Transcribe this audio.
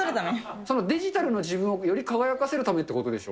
そのデジタルの自分をより輝かせるためっていうことでしょ。